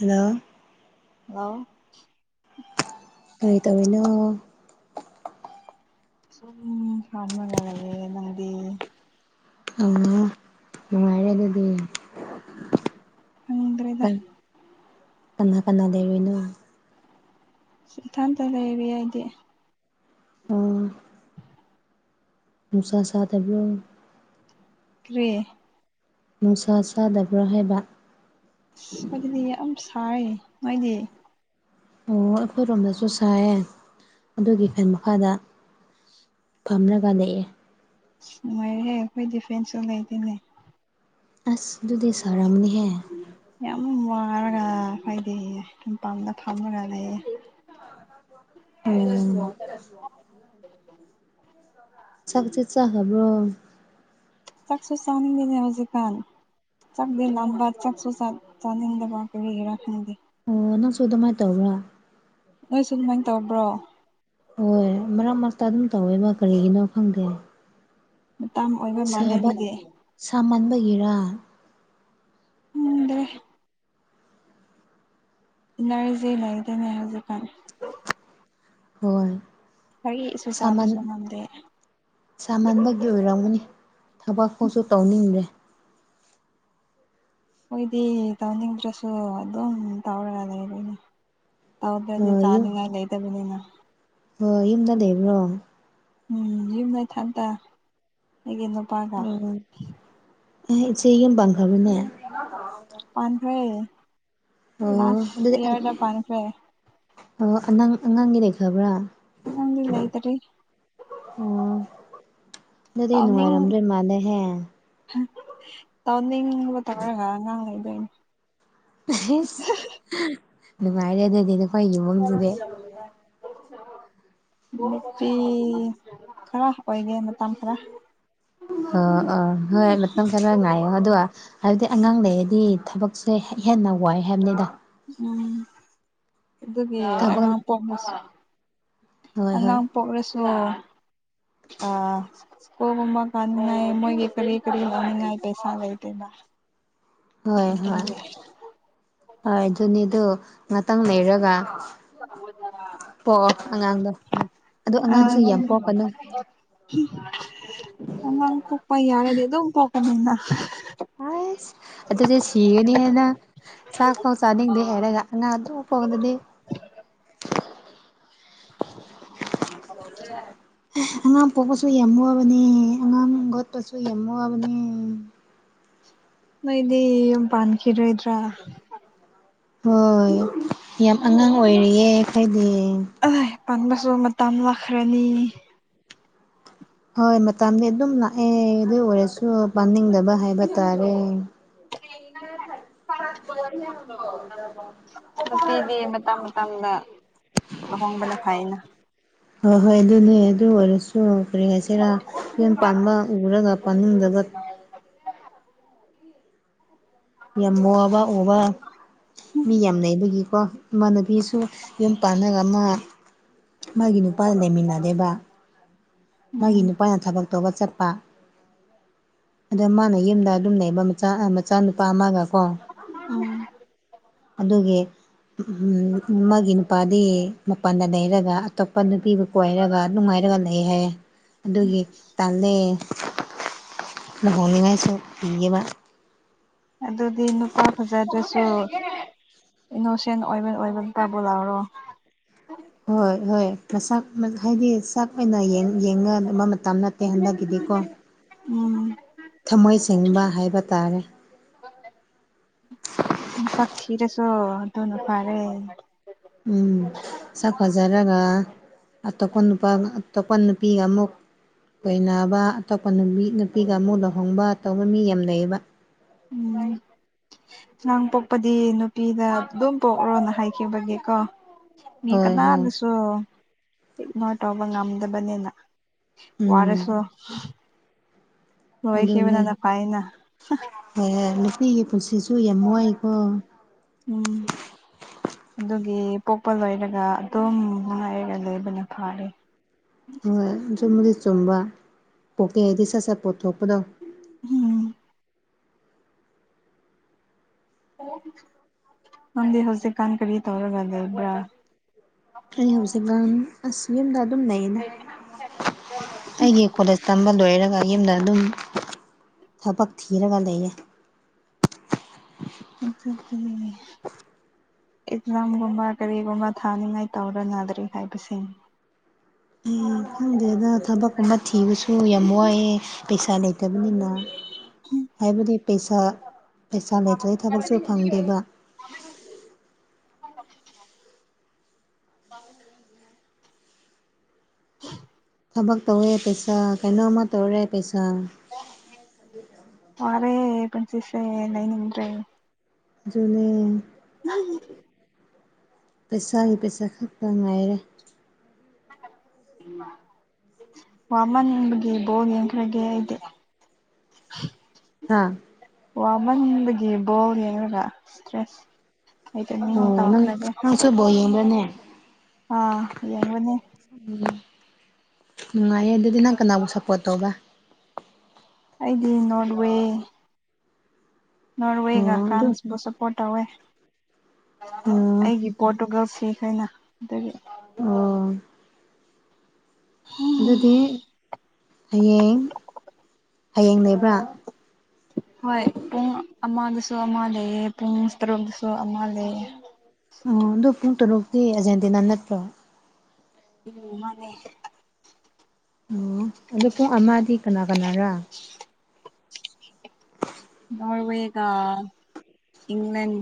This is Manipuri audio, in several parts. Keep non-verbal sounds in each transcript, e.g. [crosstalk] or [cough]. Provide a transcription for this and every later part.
ꯍꯜꯂꯣ ꯍꯜꯂꯣ ꯀꯔꯤ ꯇꯧꯔꯤꯅꫭ ꯁꯨꯝ ꯐꯝꯃꯒ ꯂꯩꯌ‌ꯦ ꯅꯪꯗꯤ ꯑ [unintelligible] ꯃꯅꯨꯡꯉꯥꯏꯔ‌ꯦ ꯑꯗꯨꯗꯤ ꯈꯪꯗ꯭ꯔꯦꯗ ꯀꯅꯥ ꯀꯅꯥ ꯂꯩꯔꯤꯅꫭ ꯏꯁ ꯏꯊꯟꯇ ꯂꯩꯔꯤ ꯑꯩꯗꯤ ꯎꯝ ꯅꯨꯡꯁꯥ ꯁꯗꯕ꯭ꯔꫭ ꯀ꯭ꯔꯤ ꯅꯨꯡꯁꯥ ꯁꯥꯗꯕ꯭ꯔꯥ ꯍꯥꯏꯕ ꯑꯁ ꯑꯗꯨꯗꯤ ꯌꯥꯝ ꯁꯥꯏꯌ‌ꯦ ꯅꯣꯏꯗꯤ ꯑꯣ ꯑꯩꯈꯣꯏꯔꯣꯝꯗꯁꯨ ꯁꯥꯏꯌꯦ ꯑꯗꯨꯒꯤ ꯐꯦꯟ ꯃꯈꯥꯗ ꯐꯝꯔꯒ ꯂꯩꯏꯌ‌ꯦ ꯅꯨꯡꯉꯥꯏꯔꯦꯍꯦ ꯑꯩꯈꯣꯏꯗꯤ ꯐꯦꯟꯁꯨ ꯂꯩꯇ‌ꯦꯅꯦ ꯑꯁ ꯑꯗꯨꯗꯤ ꯁꯔꯝꯅꯤꯍꯦ ꯌꯥꯝ ꯋꯥꯔꯒ ꯍꯥꯏꯗꯤ ꯃꯄꯥꯟꯗ ꯐꯝꯃꯒ ꯂꯩꯌꯦ ꯆꯥꯛꯇꯤ ꯆꯥꯈꯔꯥꯕ꯭ꯔꯣ ꯆꯥꯛꯁꯤ ꯆꯥꯅꯤꯡꯗ‌ꯦꯅ‌ꯦ ꯍꯧꯖꯤꯛꯀꯥꯟ ꯆꯥꯛꯗꯤ ꯂꯥꯝꯕꯥ ꯆꯛꯁꯨ ꯆꯥꯛ ꯆꯅꯤꯡꯗꯕ ꯀꯔꯤꯒꯤꯔꯥ ꯈꯪꯗꯦ ꯑꯣ ꯅꯪꯁꯨ ꯑꯗꯨꯃꯥꯏꯅ ꯇꯧꯕ꯭ꯔꯥ ꯅꯣꯏꯁꯨ ꯑꯗꯨꯃꯥꯏꯅ ꯇꯧꯕ꯭ꯔꯣ ꯍꯣꯏ ꯃꯔꯛ ꯃꯔꯛꯇ ꯑꯗꯨꯝ ꯇꯧꯋꯦꯕ ꯀꯔꯤꯒꯤꯅꯣ ꯈꯪꯗꯦ ꯃꯇꯥꯡ ꯑꯣꯏꯕ ꯃꯜꯂ ꯁꯥꯕ ꯑꯗꯨꯗꯤ ꯁꯥꯃꯟꯕꯒꯤꯔꯥ ꯈꯪꯗ꯭ꯔ‌ꯦ ꯏꯟꯅꯔꯖꯤ ꯂꯩꯇ‌ꯦꯅꯦ ꯍꯧꯖꯤꯛꯀꯥꯟ ꯍꯣꯏ ꯋꯔꯤꯁꯨ ꯁꯥꯕꯁꯨ ꯁꯥꯃꯟ ꯉꯝꯗꯦ ꯑꯗꯨ ꯑꯣꯏꯔꯝꯒꯅꯤ ꯊꯕꯛ ꯐꯥꯎꯁꯨ ꯇꯧꯅꯤꯡꯗ꯭ꯔꯦ ꯅꫭꯏꯗꯤ ꯇꯧꯅꯤꯡꯗ꯭ꯔꯁꯨ ꯑꯗꯨꯝ ꯇꯧꯔꯒ ꯂꯩꯔ‌ꯦꯅꯦ ꯇꯧꯗ꯭ꯔꯗꯤ ꯑꯣ ꯆꯅꯤꯉꯥꯏ ꯂꯩꯇꯕꯅꯤꯅ ꯍꯣꯏ ꯌꯨꯝꯗ ꯂꯩꯕ꯭ꯔꯣ ꯎꯝ ꯌꯨꯝꯗ ꯏꯊꯟꯇ ꯑꯩꯒꯤ ꯅꯨꯄꯥꯒ ꯑ‌ꯦ ꯏꯆ‌ꯦ ꯌꯨꯝ ꯄꯥꯟꯈꯔꯕꯅꯦ ꯄꯥꯟꯈ꯭ꯔ‌ꯦ ꯑꯣ ꯑꯗꯨꯗꯤ ꯑꯪ ꯄꯥꯟꯈ꯭ꯔꯦ ꯑꫭ ꯑꯉꯥꯡꯗꯤ ꯂꯩꯈꯔꯕ꯭ꯔꯥ ꯑꯉꯥꯡꯗꯤ ꯂꯩꯇꯔꯤ ꯑꯣ ꯑꯗꯨꯗꯤ ꯇꯧꯅꯤꯡ ꯅꯨꯡꯉꯥꯏꯔꯝꯗꯣꯏ ꯃꯥꯜꯂꯦꯍꯦ ꯇꯧꯅꯤꯡꯕ ꯇꯧꯔꯒ ꯑꯉꯥꯡ ꯂꯩꯗꯣꯏꯅꯤ [unintelligible] ꯅꯨꯡꯉꯥꯏꯔꯦ ꯑꯗꯨꯗꯤ ꯅꯈꯣꯏ ꯏꯃꯨꯡꯗꯨꯗꯤ [inaudible] [unintelligible] ꯈꯔ ꯑꯣꯏꯒꯦ ꯃꯇꯝ ꯈꯔ ꯑꯣ ꯑꯣ ꯍꯣꯏ ꯃꯇꯝ ꯈꯔ ꯉꯥꯏꯌꯣ ꯑꯗꯨꯒꯗ ꯍꯥꯏꯕꯗꯤ ꯑꯉꯥꯡ ꯂꯩꯔꯗꯤ ꯊꯕꯛ ꯁꯦ ꯍꯦꯟꯅ ꯋꯥꯏ ꯍꯥꯏꯝꯅꯤꯗ ꯎꯝ ꯑꯗꯨꯒꯤ ꯊꯕꯛ ꯑꯉ ꯄꯣꯝꯕꯁꯨ ꯍꯣꯏ ꯍꯣꯏ ꯑꯉꯥꯡ ꯄꯣꯛꯂꯁꯨ ꯑꯥ ꯁ꯭ꯀꯨꯜꯒꯨꯝꯕ ꯀꯥꯟꯅꯉꯥꯏ ꯃꯣꯏꯒꯤ ꯀꯔꯤ [unintelligible] ꯄꯩꯁꯥ ꯂꯩꯇꯦꯗꯥ ꯍꯣꯏ ꯍꯣꯏ ꯍꯣꯏ ꯑꯗꯨꯅꯤꯗꯨ ꯉꯥꯛꯇꯪ ꯂꯩꯔꯒ ꯄꯣꯛꯑꯣ ꯑꯉꯥꯡꯗꯣ ꯑꯗꯨꯗ ꯑꯥ ꯑꯉꯥꯡꯁꯨ ꯌꯥꯝ ꯄꯣꯛꯀꯅꯨ ꯑꯉꯥꯡ ꯄꯣꯛꯄ ꯌꯥꯔꯗꯤ ꯑꯗꯨꯝ ꯄꯣꯛꯀꯅꯤꯅ ꯑꯥꯏꯁ ꯑꯗꯨꯗꯤ ꯁꯤꯒꯅꯤ ꯍꯥꯏꯅ ꯆꯥꯛꯐꯥꯎ ꯆꯥꯅꯤꯡꯗꯦ ꯍꯥꯏꯔꯒ ꯑꯉꯥꯡ ꯑꯗꯨ ꯄꯣꯛꯂꯗꯤ [unintelligible] ꯑꯉꯥꯡ ꯄꯣꯛꯄꯁꯨ ꯌꯥꯝꯋꯥꯕꯅꯤ ꯑꯉꯥꯡ ꯒꯣꯠꯄꯁꯨ ꯌꯥꯝꯋꯥꯕꯅꯤ ꯅꯣꯏꯗꯤ ꯌꯨꯝ ꯄꯥꯟꯈꯤꯔꯣꯏꯗ꯭ꯔꯥ ꯍꯣꯏ ꯌꯥꯝ ꯑꯉꯥꯡ ꯑꯣꯏꯔꯤꯌꯦ ꯑꯩꯈꯣꯏꯗꯤ ꯑ ꯄꯥꯟꯕꯁꯨ ꯃꯇꯝ ꯂꯥꯛꯈ꯭ꯔꯅꯤ ꯍꯣꯏ ꯃꯇꯝꯗꯤ ꯑꯗꯨꯝ ꯂꯥꯛꯑꯦ ꯑꯗꯨ ꯑꯣꯏꯔꯁꯨ ꯄꯥꯅꯤꯡꯗꯕ ꯍꯥꯏꯕ ꯇꯥꯔꯦ [inaudible] ꯅꯨꯄꯤꯗꯤ ꯃꯇꯝ ꯃꯇꯝꯗ [unintelligible] ꯂꯨꯍꯣꯡꯕꯅ ꯐꯥꯏꯅ ꯍꯣꯏ ꯍꯣꯏ ꯑꯗꯨꯅꯦ ꯑꯗꯨ ꯑꯣꯏꯔꯁꯨ ꯀꯔꯤ ꯍꯥꯏꯁꯤꯔꯥ ꯌꯨꯝ ꯄꯥꯟꯕꯥꯝꯕ ꯎꯔꯒ ꯄꯥꯅꯤꯡꯗꯕ ꯌꯥꯝ ꯋꯥꯕ ꯑꯣꯕ ꯃꯤ ꯌꯥꯝ ꯂꯩꯩꯕꯒꯤꯀꯣ ꯏꯃꯥꯟꯅꯕꯤꯁꯨ ꯌꯨꯝ ꯄꯥꯟꯅꯒ ꯑꯃ ꯃꯥꯒꯤ ꯅꯨꯄꯥꯗ ꯂꯩꯃꯤꯟꯅꯔꯦꯕ ꯃꯥꯒꯤ ꯎꯝ ꯅꯨꯄꯥꯅ ꯊꯕꯛ ꯇꯧꯕ ꯆꯠꯄ ꯑꯗ ꯃꯥꯅ ꯌꯨꯝꯗ ꯑꯗꯨꯝ ꯂꯩꯕ ꯃꯆꯥ ꯃꯆꯥꯅꯨꯄꯥ ꯑꯃꯒ ꯀꯣ ꯎꯝ ꯑꯗꯨꯒꯤ ꯎꯝ ꯑꯃꯒꯤ ꯅꯨꯄꯥꯗꯤ ꯃꯄꯥꯟꯗ ꯂꯩꯔꯒ ꯑꯇꯣꯞꯄ ꯅꯨꯄꯤꯕꯨ ꯀꯣꯏꯔꯒ ꯅꯨꯡꯉꯥꯏꯔꯒ ꯂꯩ ꯍꯥꯏꯌꯦ ꯑꯗꯨꯒꯤ ꯇꯥꯂꯦ ꯂꯨꯍꯣꯡꯅꯤꯉꯥꯏꯁꯨ ꯀꯤꯌꯦꯕ ꯑꯗꯨꯗꯤ ꯅꯨꯄꯥ ꯐꯖꯗꯁꯨ ꯏꯅꯣꯁꯦꯟ ꯑꯣꯏꯕꯦꯜ ꯑꯣꯏꯕ ꯅꯨꯄꯥꯕꯨ ꯂꯧꯔꯣ ꯍꯣꯏ ꯍꯣꯏ ꯃꯁꯥꯛ ꯍꯥꯏꯗꯤ ꯆꯥꯛ ꯑꯣꯏꯅ ꯌꯦꯡꯉ [unintelligible] ꯇꯞ ꯅꯠꯇꯦ ꯍꯟꯗꯛꯀꯤꯗꯤꯀꯣ ꯎꯝ ꯊꯝꯃꯣꯏ ꯁꯦꯡꯕ ꯍꯥꯏꯕ ꯇꯥꯔꯦ ꯃꯁꯛ ꯊꯤꯔꯁꯨ ꯑꯗꯨꯅ ꯐꯔꯦ ꯎꯝ ꯁꯛꯐꯥꯖꯔꯒ ꯑꯇꯣꯞꯄ ꯅꯨꯄꯥ ꯑꯇꯣꯞꯄ ꯅꯨꯄꯤꯒ ꯑꯃꯨꯛ ꯑꯣꯏꯅꯅꯕ ꯑꯇꯣꯞꯄ ꯅꯨꯃꯤ ꯅꯨꯄꯤꯒ ꯑꯃꯨꯛ ꯂꯨꯍꯣꯡꯕ ꯇꯧꯕ ꯃꯤ ꯌꯥꯝ ꯂꯩꯌꯦꯕ ꯎꯝ ꯑꯅꯥꯡ ꯄꯣꯛꯄꯗꯤ ꯅꯨꯄꯤꯗ ꯑꯗꯨꯝ ꯄꯣꯛꯔꯣꯅ ꯍꯥꯏꯈꯤꯕꯒꯤ ꯀꯣ ꯃꯤ ꯍꯣꯏ ꯍꯣꯏ ꯀꯅꯥꯗꯁꯨ ꯏꯒꯅꯣꯔ ꯇꯧꯕ ꯉꯝꯗꯕꯅꯤꯅ ꯎꯝ ꯋꯥꯔꯁꯨ ꯑꯗꯨꯅꯦ ꯂꯣꯏꯈꯤꯕꯅꯅ ꯐꯩꯅ ꯍꯣꯏ ꯅꯨꯄꯤꯒꯤ ꯄꯨꯟꯁꯤꯁꯨ ꯌꯥꯝ ꯋꯥꯏꯀꯣ ꯎꯝ ꯑꯗꯨꯒꯤ ꯄꯣꯛꯄ ꯂꯣꯏꯔꯒ ꯑꯗꯨꯝ ꯃꯉꯥꯏꯔꯒ ꯂꯣꯏꯕꯅ ꯐꯥꯔꯦ [inaudible] ꯍꯣꯏ ꯆꯨꯝꯕꯨꯗꯤ ꯆꯨꯝꯕ ꯄꯣꯛꯀꯦ ꯍꯥꯏꯗꯤ ꯁꯠ ꯁꯠ ꯄꯣꯠꯊꯣꯛꯄꯗꯣ ꯎꯝ ꯅꯪꯗꯤ ꯍꯧꯖꯤꯛꯀꯥꯟ ꯀꯔꯤ ꯇꯧꯔꯒ ꯂꯩꯕ꯭ꯔꯥ ꯑꯩ ꯍꯧꯖꯤꯛ ꯒꯥꯟ ꯑꯁ ꯌꯨꯝꯗ ꯑꯗꯨꯝ ꯂꯩꯌꯦꯗ ꯑꯩꯒꯤ ꯀꯣꯂꯦꯖ ꯇꯝꯕ ꯂꯣꯏꯔꯒ ꯌꯨꯝꯗ ꯑꯗꯨꯝ ꯊꯕꯛ ꯊꯤꯔꯒ ꯂꯩꯌ‌ꯦ ꯑꯗꯨꯗꯤ [unintelligible] ꯑꯦꯛꯖꯥꯝꯒꯨꯝꯕ ꯀꯔꯤꯒꯨꯝꯕ ꯊꯥꯅꯤꯡꯉꯥꯏ ꯇꯧꯔ ꯅꯥꯗ꯭ꯔꯤ ꯍꯥꯏꯕꯁ‌ꯦ ꯑꯩ ꯈꯪꯗꯦꯗ ꯊꯕꯛꯀꯨꯝꯕ ꯊꯤꯕꯁꯨ ꯌꯥꯝ ꯋꯥꯏꯑꯦ ꯄꯩꯁꯥ ꯂꯩꯇ ꯇꯕꯅꯤꯅ ꯍꯥꯏꯕꯗꯤ ꯄꯩꯁꯥ ꯄꯩꯁꯥ ꯂꯩꯇ꯭ꯔꯗꯤ ꯊꯕꯛꯁꯨ ꯐꯪꯗꯦꯕ [unintelligible] ꯊꯕꯛ ꯇꯧꯋꯦ ꯄꯩꯁꯥ ꯀꯩꯅꯣꯝꯃ ꯇꯧꯔꯦ ꯄꯩꯁꯥ ꯋꯥꯔꯦ ꯄꯤꯟꯁꯤꯁꯦ ꯂꯩꯅꯤꯡꯗ꯭ꯔꯦ ꯑꯗꯨꯅꯦ ꯄꯩꯁꯥꯒꯤ ꯄꯩꯁꯥ ꯈꯛꯇ ꯉꯥꯏꯔꯦ ꯎꯝ ꯋꯥꯃꯟꯕꯒꯤ ꯕꯣꯜ ꯌꯦꯡꯈ꯭ꯔꯒꯦ ꯑꯩꯗꯤ ꯍꯥꯥ ꯋꯥꯃꯟꯕꯒꯤ ꯕꯣꯜ ꯌꯦꯡꯉꯒ ꯏꯁꯇ꯭ꯔꯦꯁ ꯑꯩꯗꯤ ꯃꯤꯅ ꯇꯧꯈꯔꯗꯤ ꯑꯗꯅꯦ ꯑꯥ ꯌꯦꯡꯉ‌ꯣꯅꯦ ꯎꯝ ꯅꯨꯡꯉꯥꯏꯌꯦ ꯑꯗꯨꯗꯤ ꯅꯪ ꯀꯅꯥꯕꯨ ꯁꯞꯄꯣꯔꯠ ꯇꯧꯕ ꯑꯩꯗꯤ ꯅꯣꯔꯠꯋꯦ ꯅꯣꯔꯋꯦꯒ ꯑꯣ ꯑꯗꯨ ꯐ꯭ꯔꯥꯟꯁꯕꯨ ꯁꯞꯄꯣꯔꯠ ꯇꯧꯋꯦ ꯑꯣ ꯑꯩꯒꯤ ꯄꯣꯔꯇꯨꯒꯜ ꯁꯤꯈ꯭ꯔ‌ꯦꯅ ꯑꯗꯨꯒꯤ ꯑꯣ ꯑꯗꯨꯗꯤ ꯍꯌꯦꯡ ꯍꯌꯦꯡ ꯂꯩꯕ꯭ꯔꯥ ꯍꯣꯏ ꯄꯨꯡ ꯑꯃꯗꯁꯨ ꯑꯃ ꯂꯩꯑ‌ꯦ ꯄꯨꯡ ꯇꯔꯨꯛꯗꯁꯨ ꯑꯃ ꯂꯩꯑꯦ ꯑꯣ ꯑꯗꯣ ꯄꯨꯡ ꯇꯔꯨꯛꯇꯤ ꯑꯥꯔꯖꯦꯟꯇꯤꯅꯥ ꯅꯠꯇ꯭ꯔꯣ ꯎꯝ ꯃꯥꯅꯦ ꯑꯣ ꯑꯗꯣ ꯄꯨꯡ ꯑꯃꯗꯤ ꯀꯅꯥ ꯀꯅꯥꯔꯥ ꯅꯣꯔꯋꯦꯒ ꯏꯪꯂ‌ꯦꯟ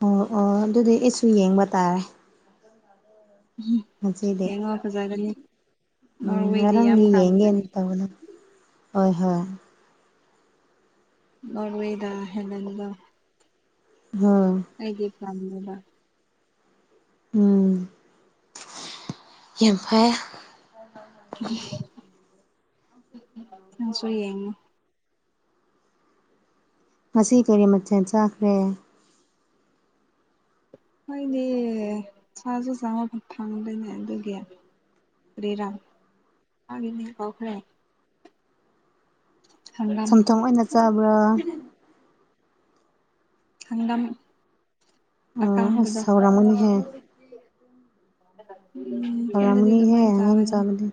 ꯑꯣ ꯑꯣ ꯑꯗꯨꯗꯤ ꯑꯩꯁꯨ ꯌꯦꯡꯕ ꯇꯥꯔꯦ ꯉꯁꯤꯗꯤ ꯌꯦꯡꯉꯣ ꯐꯖꯒꯅꯤ ꯎꯝ ꯅꯣꯔꯋꯦꯗꯤ ꯌꯥꯝ ꯉꯔꯪꯒꯤ ꯀꯥꯟꯕꯅꯤ ꯌꯦꯡꯒ‌ꯩꯅ ꯇꯧꯕꯗ ꯍꯣꯏ ꯍꯣꯏ ꯅ‌ꯣꯔꯋ‌ꯦꯗ ꯍ‌ꯦꯂꯟꯗ‌ꯣ [unintelligible] ꯑꯩꯒꯤ ꯐꯝ ꯅ‌ꯦꯕ ꯎꯝ ꯌꯥꯝ ꯐꯩ ꯅꯪꯁꯨ ꯌꯦꯡꯉ‌ꯣ ꯉꯁꯤ ꯀꯔꯤ ꯃꯊ‌ꯦꯜ ꯆꯥꯈ꯭ꯔꯦ ꯍꯣꯏꯗꯤ ꯁꯥꯁꯨ ꯆꯥꯕ ꯐ ꯐꯪꯗ‌ꯦꯅꯦ ꯑꯗꯨꯒꯤ ꯀꯔꯤꯔꯥ ꯃꯥꯒꯤ ꯃꯤꯡ ꯀꯥꯎꯈꯔꯦ ꯍꯪꯒꯥꯝ ꯁꯝꯊ‌ꯣꯡ ꯑꯣꯏꯅ ꯆꯥꯕ꯭ꯔꯥ ꯍꯪꯒꯝ ꯑꯣ ꯑꯁ ꯑꯀꯪꯕꯗ‌ꯣ ꯍꯥꯎꯔꯝꯒꯅꯤꯍꯦ ꯎꯝ ꯈꯨꯟꯗꯗꯤ ꯍꯥꯎꯔꯝꯃꯅꯤꯍꯦ ꯑꯗꯨꯃꯥꯏꯅ ꯍꯪꯒꯝ ꯆꯥꯕꯅꯤ ꯆꯥꯕꯗꯤ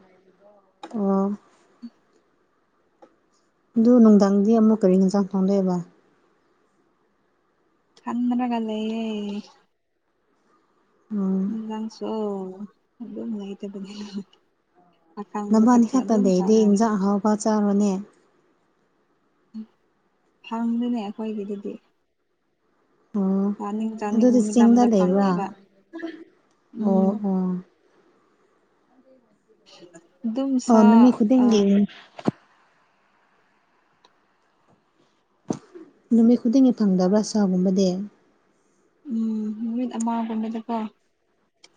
ꯑꯣ [inaudible] ꯑꯗꯨ ꯅꯨꯡꯗꯥꯡꯗꯤ ꯑꯃꯨꯛ ꯀꯔꯤ ꯏꯟꯖꯥꯡ ꯊ‌ꯣꯡꯗꯣꯏꯕ ꯈꯟꯔꯒ ꯂꯩꯌꯦ ꯎꯝ ꯏꯟꯖꯥꯡꯁꯨ ꯑꯗꯨꯝ ꯂꯩꯇꯕꯅꯤ ꯅꯕꯥꯅꯤ ꯈꯛꯇ ꯂꯩꯔꯗꯤ ꯆꯥꯔꯅꯤ ꯏꯟꯖꯥꯡ ꯑꯍꯥꯎꯕ ꯆꯥꯔꯣꯅꯦ ꯍꯪꯗꯦꯅꯦ ꯑꯩꯈꯣꯏꯒꯤꯗꯗꯤ ꯑꯣ ꯆꯥꯅꯤꯡ ꯆꯥꯅꯤꯡꯕ ꯑꯗꯨꯗꯤ ꯆꯤꯡꯗ ꯃꯇꯝꯗ ꯂꯩꯕ꯭ꯔꯥ ꯐꯪꯗꯦꯕ ꯑꯣ ꯎꯝ ꯑꯣ ꯑꯗꯨꯝ ꯑꯣ ꯁꯥ ꯅꯨꯃꯤꯠ ꯑ ꯈꯨꯗꯤꯡꯒꯤ ꯅꯨꯃꯤꯠ ꯈꯨꯗꯤꯡꯒꯤ ꯐꯪꯗꯕ꯭ꯔꯥ ꯁꯥꯒꯨꯝꯕꯗꯤ ꯎꯝ ꯅꯨꯃꯤꯠ ꯑꯃꯥ ꯒꯨꯝꯕꯗꯀꯣ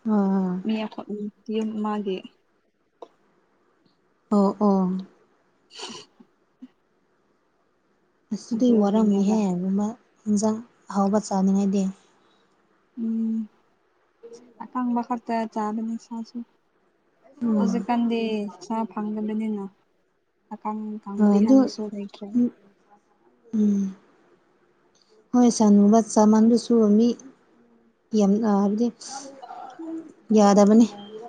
ꯑꯣ ꯃꯤ ꯑꯈꯣ ꯌꯨꯝ ꯃꯥꯒꯤ ꯑꯣ ꯑꯣ [unintelligible] ꯑꯁꯤꯗꯤ ꯋꯥꯔꯝꯅꯤꯍꯦ ꯑꯗꯨꯒꯤꯅꯦꯕ ꯑꯗꯨꯨꯝꯕ ꯏꯟꯖꯥꯡ ꯑꯍꯥꯎꯕ ꯆꯥꯅꯤꯡꯉꯥꯏꯗꯤ ꯎꯝ ꯑ ꯀꯪꯕꯈꯛ ꯇ ꯆꯥꯗꯅ ꯏꯁꯥꯁꯨ ꯎꯝ ꯍꯧꯖꯤꯛꯀꯥꯟꯗꯤ ꯆꯥ ꯐꯪꯒꯕꯅꯤꯅ ꯑꯀꯪ ꯍꯣꯏ ꯑꯗꯨ ꯀꯪꯕꯤꯍꯟꯕꯁꯨ ꯂꯩꯇ꯭ꯔꯦ ꯎꯝ ꯎꯝ ꯍꯣꯏ ꯁꯟꯒꯨꯝꯕ ꯆꯥꯃꯟꯗꯨꯁꯨ ꯃꯤ ꯌꯥꯝ ꯍꯥꯏꯕꯗꯤ ꯌꯥꯗꯕꯅꯤ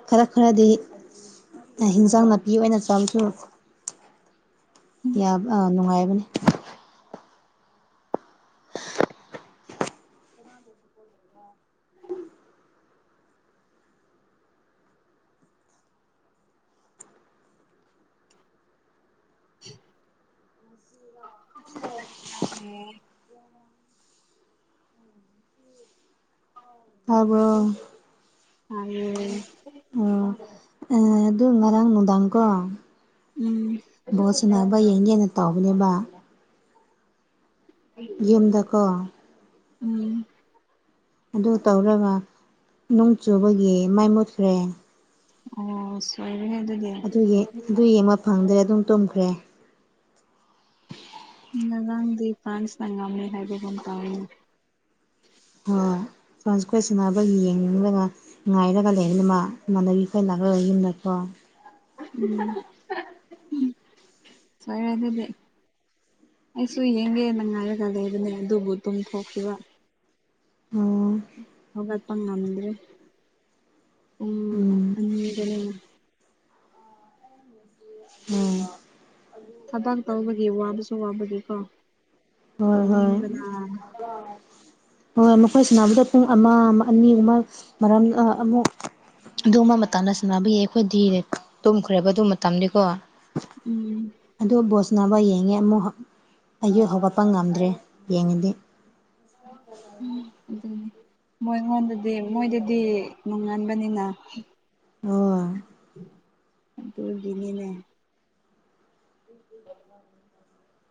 ꯈꯔ ꯈꯔꯗꯤ ꯍꯤꯟꯖꯥꯡ ꯅꯥꯄꯤ ꯑꯣꯏꯅ ꯆꯥꯕꯁꯨ ꯅꯨꯡꯉꯥꯏꯕꯅꯦ [unintelligible] ꯇꯥꯕ꯭ꯔꯣ ꯇꯥꯌꯦ ꯑꯣ ꯑꯗꯨ ꯉꯔꯥꯡ ꯅꯨꯡꯗꯥꯡꯀꯣ ꯎꯝ ꯕꯣꯜ ꯁꯥꯟꯅꯕ ꯌꯦꯡꯒꯦꯟꯅ ꯇꯧꯕꯅꯦꯕ ꯌꯨꯝꯗꯀꯣ ꯎꯝ ꯑꯗꯨ ꯇꯧꯔꯒ ꯅꯣꯡ ꯆꯨꯕꯒꯤ ꯃꯩ ꯃꯨꯠꯈ꯭ꯔꯦ ꯑꯣ ꯁꯣꯏꯔꯦꯍꯦ ꯑꯗꯨꯗꯤ ꯑꯗꯨꯒꯤ ꯑꯗꯨ ꯌꯦꯡꯕ ꯐꯪꯗ꯭ꯔꯦ ꯑꯗꯨꯝ ꯇꯨꯝꯈ꯭ꯔꯦ ꯉꯔꯥꯡꯗꯤ ꯐ꯭ꯔꯥꯟꯁꯅ ꯉꯝꯃꯤ ꯍꯥꯏꯕꯒꯨꯝ ꯇꯧꯏ ꯍꯣꯏ ꯐ꯭ꯔꯥꯟꯁꯈꯣꯏ ꯁꯥꯟꯅꯕꯒꯤ ꯌꯦꯡꯒ ꯉꯥꯏꯔꯒ ꯂꯩꯕꯅꯤ ꯃꯥ ꯏꯃꯥꯟꯅꯕꯤ ꯈꯣꯏ ꯂꯥꯛꯂꯒ ꯌꯨꯝꯗꯀꯣ ꯎꯝ ꯐꯩ ꯑꯗꯨꯗꯤ ꯑꯩꯁꯨ ꯌꯦꯡꯒꯦꯅ ꯉꯥꯏꯔꯒ ꯂꯩꯕꯅꯦ ꯑꯗꯨꯕꯨ ꯇꯨꯝꯊꯣꯛꯈꯤꯕ ꯑꯣ ꯍꯧꯒꯠꯄ ꯉꯝꯗ꯭ꯔꯤ ꯄꯨꯡ ꯎꯝ ꯑꯅꯤꯗꯅꯦꯅ ꯎꯝ ꯊꯕꯥꯛ ꯇꯧꯕꯒꯤ ꯋꯥꯕꯁꯨ ꯋꯥꯕꯒꯤꯀꯣ ꯍꯣꯏ ꯍꯣꯏ ꯇꯨꯝꯅꯤꯡꯕꯅ ꯍꯣꯏ ꯃꯈꯣꯏ ꯁꯅꯥꯅꯕꯗ ꯄꯨꯡ ꯑꯃ ꯑꯅꯤꯒꯨꯝꯕ ꯃꯔꯝ ꯑꯃꯨꯛ ꯑꯗꯨꯝꯕ ꯃꯇꯝꯗ ꯁꯥꯟꯕꯒꯤ ꯑꯩꯈꯣꯏꯗꯤ ꯇꯨꯝꯈ꯭ꯔꯦꯕ ꯑꯗꯨ ꯃꯇꯝꯗꯤꯀꯣ ꯎꯝ ꯑꯗꯨ ꯕꯣꯜ ꯁꯅꯕ ꯌꯦꯡꯉꯦ ꯑꯃꯨꯛ ꯑꯩꯌꯨ ꯍꯧꯒꯠꯄ ꯉꯝꯗ꯭ꯔꯦ ꯌꯦꯡꯉꯗꯤ ꯎꯝ ꯑꯗꯨꯅꯤ ꯃꯣꯏꯉꯣꯟꯗꯗꯤ ꯃꯣꯏꯗꯗꯤ ꯅꯣꯉꯕꯅꯤꯅ ꯑꯣ ꯑꯗꯨꯒꯤꯅꯤꯅꯦ [inaudible]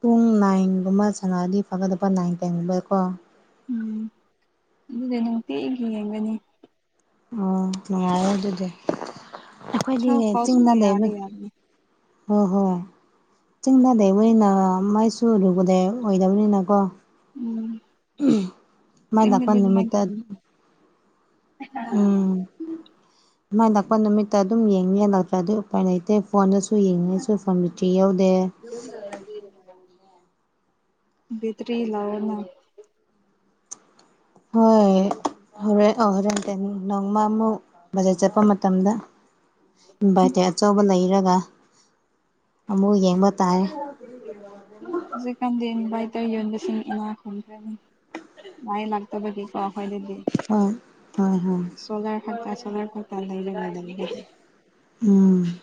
ꯄꯨꯡ ꯅꯥꯏꯟꯒꯨꯝꯕ ꯁꯥꯅꯔꯑꯗꯤ ꯐꯒꯗꯕ ꯅꯥꯏꯟ ꯇꯦꯟꯒꯨꯝꯕꯗꯀꯣ ꯎꯝ ꯑꯗꯨꯅꯦ ꯅꯨꯡꯇꯤꯒꯤ ꯌꯦꯡꯒꯅꯤ ꯑꯣ ꯅꯨꯡꯉꯥꯏꯔꯦ ꯑꯗꯨꯗꯤ ꯑꯩꯈꯣꯏꯗꯤ ꯁꯣꯛ ꯐꯥꯎꯁꯨ ꯆꯤꯡꯗ ꯂꯩꯕ ꯌꯥꯗꯤ ꯌꯥꯕꯅꯤ ꯍꯣꯏ ꯍꯣꯏ ꯆꯤꯡꯅꯗꯕꯅꯤꯅ ꯃꯥꯏꯁꯨ ꯑꯗꯨꯨꯕꯗꯩ ꯑꯣꯏꯗꯕꯅꯤꯅ ꯀꯣ ꯎꯝ ꯃꯥꯏꯗꯀ ꯑꯁꯦꯡꯕꯗꯤ ꯑꯗꯨꯃꯥꯏꯅ ꯅꯨꯃꯤꯠꯇ ꯇꯧꯕꯅꯤ ꯎꯝ ꯃꯥꯏꯅ ꯂꯥꯛꯄ ꯅꯨꯃꯤꯠꯇ ꯑꯗꯨꯝ ꯌꯦꯡꯉ ꯌꯥ ꯂꯥꯛꯄ꯭ꯔ ꯑꯗꯨꯏ ꯎꯄꯥꯏ ꯂꯩꯇꯦ ꯐꯣꯟꯗꯁꯨ ꯌꯦꯡꯉꯉꯩꯁꯨ ꯐꯣꯟ ꯂꯤꯇ꯭ꯔꯤ ꯌꯎꯗꯦ ꯕꯦꯇꯔꯤ ꯏꯂꯥꯎꯑꯣꯅ ꯍꯣꯏ ꯍꯣꯔꯦꯟ ꯍꯣꯔꯦꯟ ꯇꯦꯟ ꯅꯣꯡꯃꯃꯨꯛ ꯕꯖꯦꯠ ꯆꯠꯄ ꯃꯇꯝꯗ ꯏꯟꯚꯥꯏꯇꯦꯠ ꯑꯆꯧꯕ ꯂꯩꯔꯒ ꯑꯃꯨꯛ ꯌꯦꯡꯕ ꯇꯥꯥꯏꯦ ꯍꯧꯖꯤꯛꯀꯥꯟꯗꯤ ꯚꯏꯗ ꯌꯣꯟꯕꯁꯤꯡ ꯏꯅꯥ ꯈꯨꯝꯈ꯭ꯔꯅꯤ ꯉ ꯂꯥꯛꯇꯕꯗꯤ ꯀꯈꯣꯏ ꯑꯗꯨꯗꯤ ꯍꯣꯏ ꯍꯣꯏ ꯍꯣꯏ ꯆꯂꯥ ꯐ ꯆꯂꯔ ꯐꯥꯛ ꯂꯩ ꯃꯗꯥ ꯂꯩ ꯎꯝ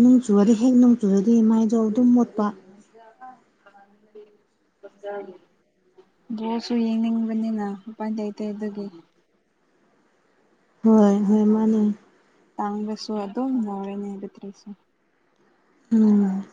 ꯅꯣꯡ ꯆꯨꯔꯗꯤ ꯍꯦꯛ ꯅꯣꯡꯆꯨꯔꯗꯤ ꯏꯃꯥꯏꯖꯧ ꯑꯗꯨꯝ ꯃꯣꯠꯄ ꯌꯥꯒꯥ [unintelligible] ꯕꯣꯁꯨ ꯌꯦꯡꯅꯤꯡꯕꯅꯤꯅ ꯃꯄꯥꯟꯇꯩꯩ ꯑꯇꯩ ꯑꯗꯨꯒꯤ ꯍꯣꯏ ꯍꯣꯏ ꯃꯥꯅꯦ ꯇꯥꯡꯒꯁꯨꯣ ꯑꯗꯨ ꯃꯣꯔꯅꯦ ꯏꯔꯗꯔꯤ ꯁꯣ ꯎꯝ